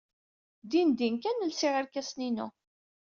Dindin kan lsiɣ irkasen-inu.